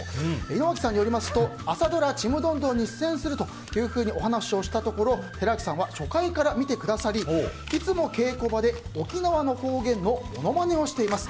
井之脇さんによりますと朝ドラ「ちむどんどん」に出演するとお話をしたところ寺脇さんは初回から見てくださりいつも稽古場で沖縄の方言のものまねをしています。